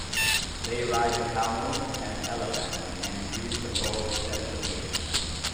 They ride the camel and elephant, and use the bow extensively.